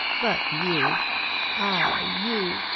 But you! ah, you!